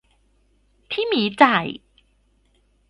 พี่หมีจ่าย